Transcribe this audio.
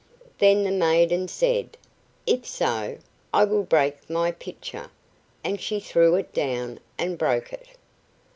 Then the maiden said: "If so, I will break my pitcher;" and she threw it down and broke it.